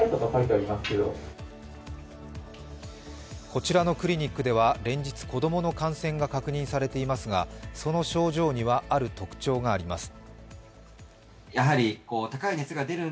こちらのクリニックでは連日子供の感染が確認されていますがその症状には、ある特徴があります